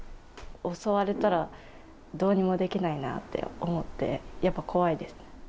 襲われたらどうにもできないなって思ってやっぱ怖いです。